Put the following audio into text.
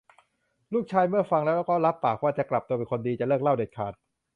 ลูกชายเมื่อฟังแล้วก็รับปากว่า จะกลับตัวเป็นคนดี จะเลิกเหล้าเด็ดขาด